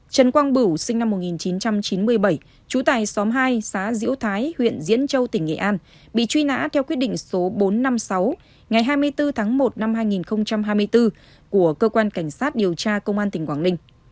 trần quang bửu sinh năm một nghìn chín trăm chín mươi bảy trú tại xóm hai xã diễu thái huyện diễn châu tỉnh nghệ an bị truy nã theo quyết định số bốn trăm năm mươi sáu ngày hai mươi bốn tháng một năm hai nghìn hai mươi bốn của cơ quan cảnh sát điều tra công an tỉnh quảng ninh